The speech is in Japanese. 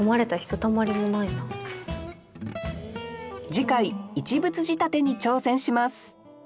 次回「一物仕立て」に挑戦します